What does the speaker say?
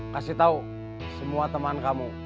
kasih tahu semua teman kamu